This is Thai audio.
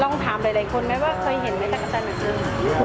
ถามหลายคนไหมว่าเคยเห็นไหมตะกะแตนเหมือนกัน